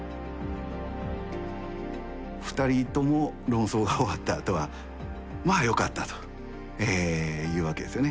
２人とも論争が終わったあとはまあよかったというわけですよね。